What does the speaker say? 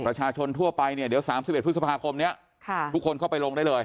ประชาชนทั่วไปเนี่ยเดี๋ยว๓๑พฤษภาคมนี้ทุกคนเข้าไปลงได้เลย